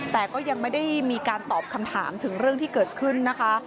แต่ก็ยังไม่ได้มีการตอบคำถามถึงเรื่องที่เกิดขึ้นนะคะ